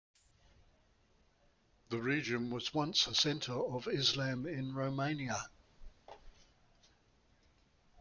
The region once was a centre of Islam in Romania.